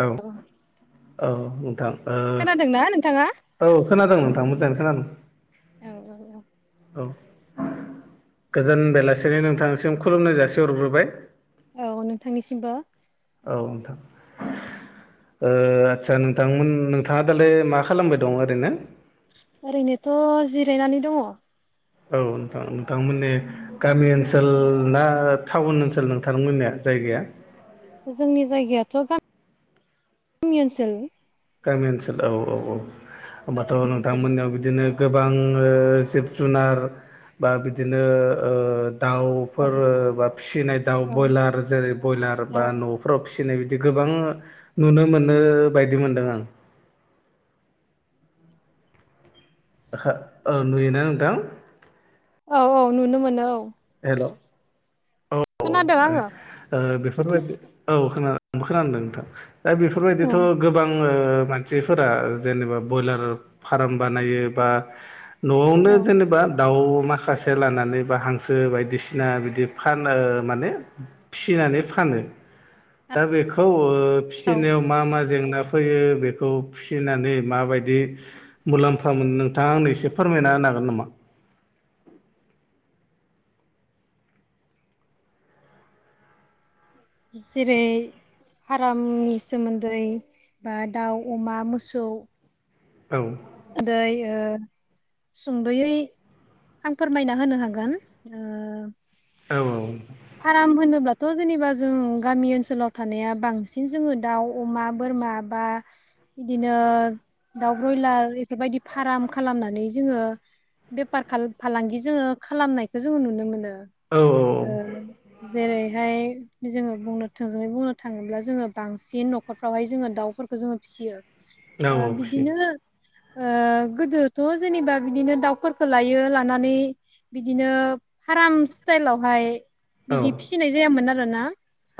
औ औ नोंथां। ओ खोनादोंना नोंथाङा? औ खोनादों नोंथां मोजाङै खोनादों। औ औ औ। औ गोजोन बेलासिनो नोंथांसिम खुलुमनाय जासिहरग्रोबाय। औ नोंथांनिसिमबो। औ नोंथां। ओ आतसा नोंथांमोन नोंथाङा दालाय मा खालामबाय दं ओरैनो? ओरैनोथ' जिरायनानै दङ। औ नोंथां नोंथांमोननि गामि ओन सोल ना टाउन ओनसोल नोंथांमोननि जायगाया? जोंनि जायगायाथ' गामि ओनसोल गामि ओनसोलाव औ औ औ औ होमबाथ' गामि ओनसोल नोंथांमोननियाव बिदिनो गोबां ओ जिब जुनार बा बिदिनो ओ दाउफोर बा फिसिनाय दाउ औ ब्रयलार जेरै ब्रयलार औ बा न'फोराव फिसि नाय बिदि गोबां नुनो मोनो बायदि मोनदों आं ओं नुयोना नोंथां? औ औ नुनो मोनो औ हेल' औ खोनादों माने आङो ओ बेफोरबायदि औ खोनादों खोनादों नोंथां दा औ बेफोरबायदिथ' गोबां ओ मानसिफोरा जेनेबा ब्रयलार फार्म बानायो बा न'आवनो औ जेनेबा दाउ माखासे लानानै बा हांसो बायदिसिना बिदि फानो माने फिनानै फानो दा बेखौ ओ औ फिनायाव मा मा जेंना फैयो बेखौ फिसिनानै माबायदि मुलाम्फा मोनो नोंथाङा आंनो एसे फोर मायना होनो हागोन नामा? जेरै फार्मनि सोमोन्दै बा दाउ अमा मोसौ औ दै ओ सुंद'यै आं फोरमायना होनो हागोन ओ औ औ फार्म होनोब्लाथ' जेनेबा जों गामि ओनसोलाव थानाया बांसिन जोङो दाउ अमा बोर माबा बिदिनो दाउ ब्रयलार बेफोरबायदि फार्म खालामनानै जोङो बेफार फालांगि जोङो खालामनायखौ जोङो नुनो मोनो औ ओ जेरैहाय जोङो बुंनो थोंजोङै बुंनो थाङोब्ला जोङो बांसिन न'खरफ्रावहाय जोङो दाउफोर खौ जोङो फिसियो औ ओ औ फिसियो बिदिनो ओ गोदोथ' जेनेबा बिदिनो दाउफोरखौ लायो लानानै बिदिनो फार्म स्टाइलावहाय बिदि औ फिसिनाय जायामोन आरो ना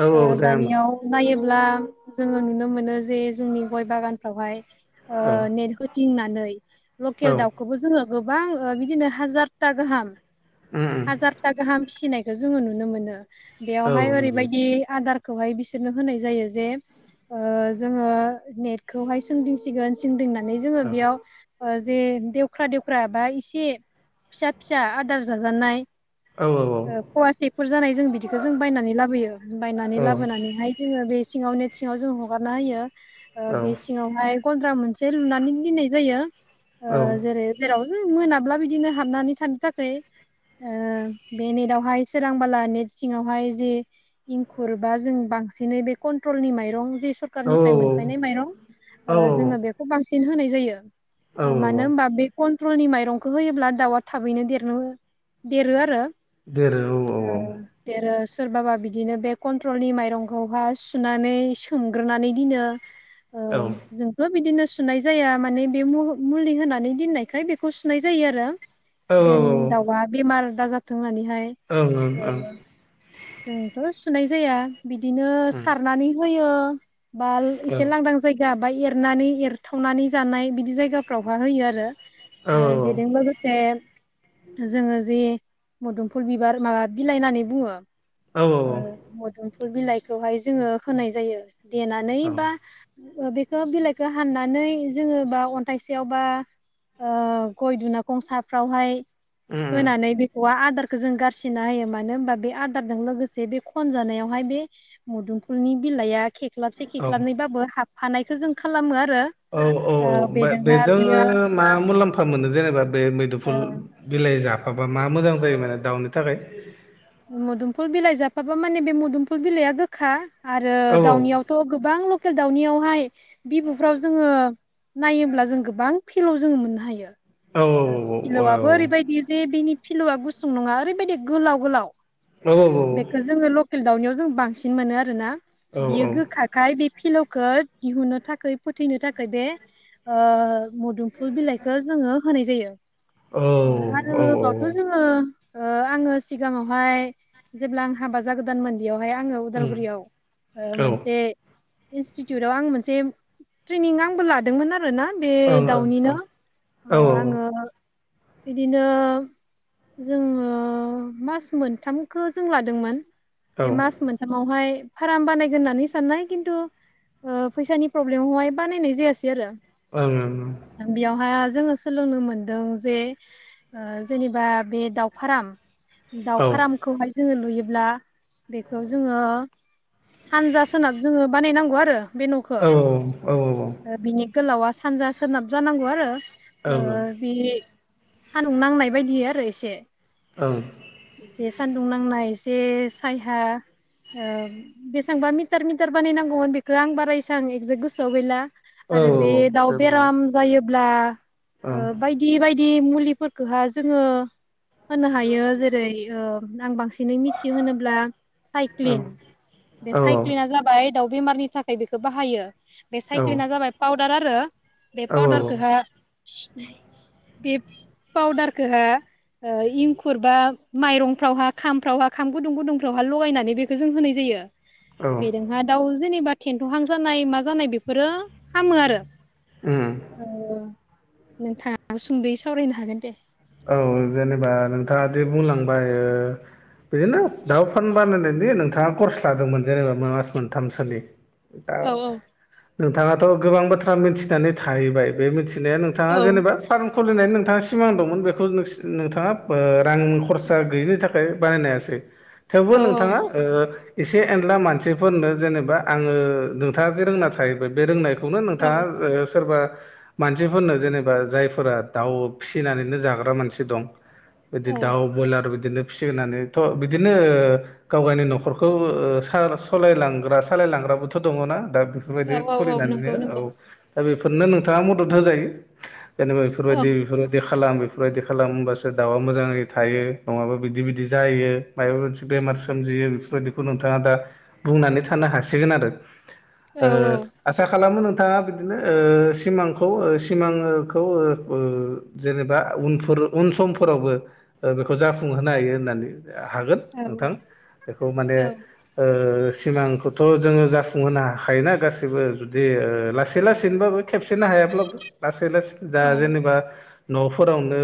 औ औ ओ जायामोन दानियाव नायो ब्ला जोङो नुनो मोनो जे जोंनि गय बागानफ्रावहाय ओ औ नेट हो थिंनानै औ लकेल दाउखौबो जोङो गोबां बिदिनो हाजारटा गाहाम उम हाजारथा गाहाम फिसिनायखौ जोङो नुनो मोनो। औ बेवहाय नुयो ओरैबायदि आदार खौहाय बिसोरनो होनाय जायो जे ओ जोङो नेटखौहाय सोंदिंसिगोन सों दिंनानै जोङो औ बेयाव जे देवख्रा देवख्रा बा एसे फिसा फिसा आदार जाजानाय औ औ ओ फवासे जानाय बिदिखौ जों बायनानै लाबोयो बायनानै औ लाबोनानैहाय जोङो। बे सिङाव नेट सिङाव जों हगारना होयो ओ बे सिङावहाय गन्द्रा मोनसे लुनानै दोननाय जायो ओ जेरै जेराव मोनाब्ला बिदिनो हाबनानै थानो थाखाय ओ बे नेटावहाय सोरां बाला नेट सिङावहाय जे इंखुर बा जों बांसिनै बे कन्ट्रलनि माइरं जे सरखारारनिफ्राय मोनफैनाय माइरं औ ओ जोङो बेखौ बांसिन होनाय जायो। औ मानो होनबा बे गन कन्ट्रलनि माइरंखौ होयोब्ला दाउआ थाबैनो देरनो देरो आरो। देर औ औ औ ओ देरो सोरबाबा बिदिनो बे कन्ट्रलनि माइरंखौहाय सुनानै सोमग्रोनानै दिनो ओ औ जोंथ' बिदिनो सुनाय जाया माने बे मह मुलि होनानै दोननायखाय बेखौ सुनाय जायो आरो जेन औ औ दाउआ बेमार दा जाथों होननानैहाय ओं ओं ओ ओं जोंथ' सुनाय जाया बिदिनो उम सारनानै होयो बाल एसे लांदां जायगा आबाय एरनानै एरथावनानै जानाय बिदि जायगाफ्रावहा होयो आरो ओ बेदों लोगोसे जोङो जे मोदोमफुल बिबार माबा बिलाइ होननानै बुङो ओ मोदुमफुल बिलाइखौहाय जोङो होनाय जायो देनानै बा ओ बेखो बिलाइखो हाननानै जोङो बा अन्थाइसेयाव बा ओ गय दुनागं साफ्रावहाय होनानै बेखौआ आदारखौ जों गारसिना होयो मानो होनबा बे आद आदारजों लोगोसे बे खन जानायावहाय बे मोदुमफुलनि बिलाइआ खेख्लाबसे औ खेख्लाबनैबाबो हाबफानायखौ जों खालामो आरो औ औ ओ औ बेजोंहा बियो बे-बेजोंङो मा मुलाम्फा मोनो जेनेबा बे ओ मैदुफुल बिलाइ जाब मबा मा मोजां जायो माने दाउनि थाखाय। मोदुमफुल बिलाइ जाफाबा माने बे मोदुमफुल बिलाइआ गोखा। आरो औ दाउनियावथ' गोबां लकेल दाउनियावहाय बिबुफ्राव जोङो नायोब्ला जों गोबां फिलाव जोङो मोननो हायो औ औ फिलौआबो ओरैबायदि जे बेनि फिलौआ गुसुं नङा ओरैबायदि गोलाव गोलाव औ औ औ बेखो जोङो लख लखेल दाउनियाव जों बांसिन मोनो आरोना औ बियो गोखाखाय बे फिलौखो दिहुनो थाखाय फोथैनो थाखाय बे ओ मोदुमफुल बिलाइखौ जोङो होनाय जायो। ओ आरो औ औ औ बेयाथ जोंङो। ओ आङो सिगाङाव हाय जेब्ला आं हाबा जागोदानमोन बेयाव ओमाय आङो उम उदालगुरियाव ओ औ ओं मोनसे इन्स्टिटिउटव आं मोनसे ट्रेनिं आंबो लादोंमोन आरो आरो ना बे ओं ओं दाउनिनो औ ओं आङो बिदिनो जोङो मास मोनथामखौ जों लादोंमोन। बे ओं मास मोनथामावहाय फार्म बानायगोन होननानै साननाय खिन्थु ओ फैसानि प्रब्लेमावहाय बानायनाय जायासै आरो ओं ओं ओ बेयावहाय जोङो सोलोंनो मोनदों जे जेनेबा बे दाउफाराम। औ दाउ फार्मखौहाय जोङो लुयो। ब्ला बेखौ जोङो सानजा सोनाब जोङो बानायनांगौ आरो बे न'खौ ओं ओं बिनि। गोलावा सानजा सोनाब जानांगौ आरो ओ बे सान्दुं नांनाय बायदि आरो एसे ओं एसे सान्दुं नांनाय ऐ सायहा। ओ बेसेबां मिटार मिटार बानायनांगौमोन बेखो आं बारा इसां एक्जो गोसोआव गैला औ आरो बे दाउ जेबो बेराम नङा जायो ब्ला ओ बायदि बायदि मुलिफोरखौ हा जोङो होननो हायो जेरै ओ नां बांसि बिनो मिथिहोब्ला साइक्लिन बे ओं औ साइक्लिना जाबाय दाउ बेमारनि थाखाय बेखौ बाहायो बे साइक्लिना जाबाय पाउदार आरो बे औ पावदारखोहा बे पावदारखोहा। ओ इंखुर बा माइरंफ्रावहा खामफ्रावहा खाम गुदुं गुदुंफ्रावहा लगायनानै बेखौ जों होनाय जायो। बेदोंहा दाउ जेनेबा थेनथहां जानाय मा जानाय बेफोरो हामो आरो। उम औ नोंथाङा सुंद'यै सावरायनो हागोन दे। औ जेनेबा नोंथाङााद बुंलांबाय ओ बेनो दाउ फानबानो नोंदि नोंथाङा कर्साजों मोनजायो मास मोनथाम सोनि ओ दा औ औ नोंथाङाथ' गोबां बाथ्रा मिथिनानै थाहैबाय बे मिथि दिना नोंथाङा औ जेनेबा फार्म खुलिनायनि नोंथाङा सिमां दंमोन बेखौ नोंथाङा ओ रां खरसा गैयिनि थाखाय बानायनो हायासै थेवबो औ नोंथाङा ओ एसे एनला मानसिफोरनो जेनेबा आङो नोंथाङा जे रोंना थाहैबाय बे रोंनाय बेखौनो औ नोंथाङा ओ सोरबा मानसिफोरनो जेनेबा जायफोरा दाउ फिसिनानैनो जाग्रा मानसि दं बिदि औ दाउ ब्रयलार बिदिनो फिसिनानैथ' बिदिनो ओ गाव गावनि न'खरखौ ओ साल सलायलांग्रा सालायलांग्रा [unintelligible] दङ ना? दा बेफोरबायदि औ औ औ नंगौ खुलिनानैनो नंगौ औ दा बेफोरनो नोंथाङा मदद होजायो। जेनेबा औ औ बेफोरबायदि बेफोरबायदि खालाम बे फोरबायदि खालामबासो दाउआ मोजाङै थायो। नङाबा बिदि बिदि जायो मायबा मोनसे बेमार सोमजि [unintelligible] नोंथाङा दा बुंनानै थानो हासिगोन आरो। ओ औ आसा खालामो नोंथाङा बिदिनो ओ सिमांखौ ओ सिमांखौ ओ बो जेनेबा उनफोर उन समफोरावबो ओ बेखौ जाफुं होनो हायो होननानै हागोन औ नोंथां बेखौ माने औ ओ सिमांखौथ जोङो जा जाफुंहोनो हाखायोना गासिबो जुदि लासै लासैनोबाबो खेबसेनो हायाब्लाबो लासै लासै दा औ जेनेबा नफोरावनो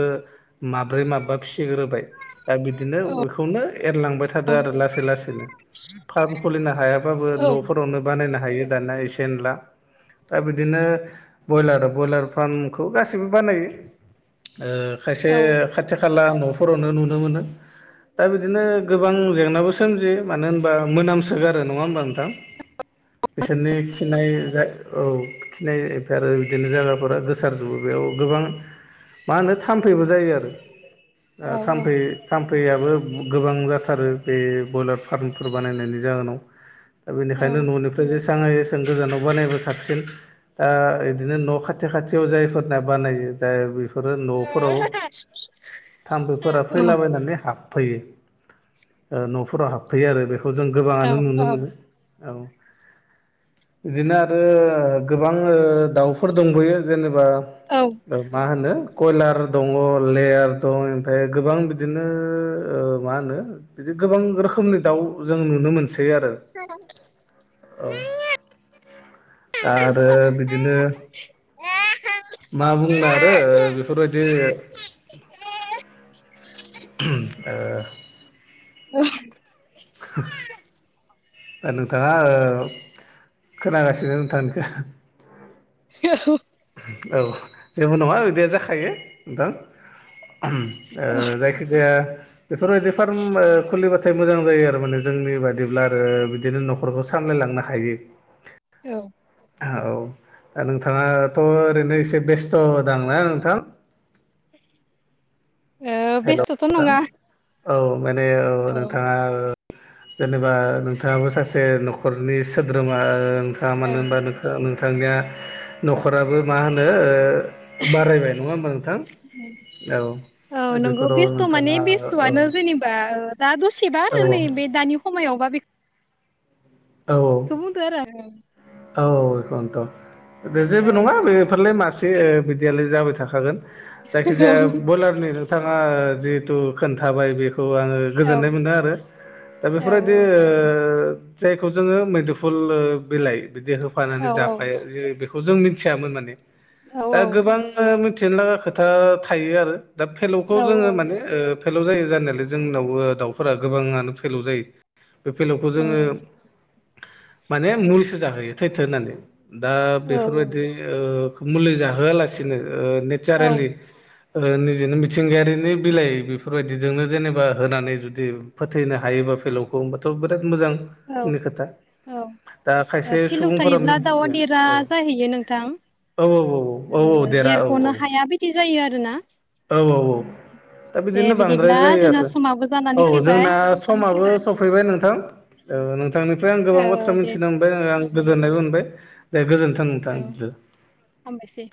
माब्रै माबा फि फिग्रोबाय दा बिदिनो औ बेखौनो एरलांबाय थादो आरो लासै लासैनो फार्म खुलिनो हायाबाबो औ न'फोरावनो बानायनो हायो दानिया एसे एनला। दा बिदिनो ब्रयलार ब्रयलार फार्मखौ गाससिबो बानायो। ओ खायसे औ खाथि खाला न'फोरावनो नुनो मोनो। दा बिदिनो गोबां जेंनाबो सोमजियो मानो होनबा मोनामसोगारो नङा होमबा नोंथां। बिसोरनि खिनाय औ खिनाय आरो बिदिनो जायगाफोरा गोसारजोबो बे औ गोबां माहोनो थामफैबो जायो आरो थामफै थाम दैयाबो बु गोबां जाथारो बे बयलार फार्मफोर बानायनायनि जाहोनाव दा बेनिखायनो ननिफ्राय जेस थाङो एसां गोजानाव बानायबा साबसिन ओ इदिनो न' खाथि खाथियाव जायफोरना बानायो जाय बेफोरो न'फोराव थाम्फैफोरा फैलाबायनानै हाब फैयो ओ न'फोराव हाबफैयो आरो बेखौ जों गोबाङानो नुनो मोनो। औ बिदिनो आरो गोबां ओ दाउफोर दंबयो जेनेब होमबा मा होनो कयलार दङ लेयार दं ओमफाय गोबां बिदिनो ओ मा होनो बिदि गोबां रोखोमनि दाउ जों नुनो मोनसै आरो औ [unintelligible] दा आरो बिदिनो मा बुंनो आरो ओ [unintelligible] [unintelligible] [unintelligible] हो नोंथाङा ओ खोनागासिनो नोंथांनिखो [unintelligible] औ जेबो नङा बिदिया जाखायो नोंथां। ओ जायखिजाया बेफोरबायदि फार्म खुलिबा थाय मोजां जायो आरो माने जोंनि बादिब्ला आरो बिदिनो न'खरखौ सामलायलांनो हायो। औ। औ दा नोंथाङाथ' ओरैनो एसे बेस्थ' दांना नोंथां? ओ हेल' बेस्थ'थ' नोंथां नङा। औ माने औ नोंथाङा ओ जेनेबा नोंथाङाबो सासे न'खरनि सोद्रोमा ओ नोंथाङा औ मानो होनबा नोंथां नोंथांनिया न'खराबो मा होनो ओ बारायबाय नङा होमबा नोंथां दे औ। औ दा नोंगौ बेफोराव बेस्थ' माने नोंथाङा औ बेस्थ'आनो जेनेबा ओ दा दसेबा औ आरो नै बे दानि समायावबा [inaudible] औ औ [unintelligible] औ एखनोथ' दे जेबो आं नङा बेफोरलाय मासे बिदियालाय जाबाय थाखागोन। जायखिजाया बयलारनि नोंथाङा जिहेथु खोन्थाबाय बे खौ आङो औ गोजोननाय मोनदों आरो दा औ बेफोरबायदि‌ ओ जायखौ जोङो मैदुफुल बिलाइ बिदि होफानानै औ जाफायो बेफोर खौ जों मिथियामोन माने औ दा गोबां मिथिनो लागा खोथा थायो आरो। दा फेलौखौ औ जोङो माने ओ फेलौ जायो जानायालाय जोंनावबो दाउफोरा गोबाङानो फेलौ जायो। बे फेलौखौ जोङो माने मुलिसो जाहोयो थैथों होननानै। दा बेफोरबायदि ओ मुलि जाहोआलासिनो ओ औ नेचारेलि ओ निजेनो मिथिंगायारिनि बिलाइ बेफोरबायदिजोंनो जेनेबा होनानै जुदि फोथैनो हायो बा फेलौ खौ होमबाथ' बेराद औ मोजांनि खोथा औ दा खायसे फिलौ सुबुंफोरा थायोब्ला दाउआ मिथिया देरा औ। जाहैयो नोंथां औ औ औ औ औ ओ देर औ औ। देरख'नो हाया बिदि जायो आरोना औ औ औ दा दे बिदिनो बांद्राय बिदिब्ला जायो जोंहा आरो समाबो जानानै औ जोंना फैबाय सम माबो सफैबाय नोंथां ओ नोंथांनिफ्राय आं गोबां बाथ्रा औ दे मिथिना मोनबाय ओ आं गोजोननायबो मोनबाय दे गोजोनथों। औ हामबायसै।